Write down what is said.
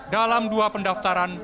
dalam dua pendaftaran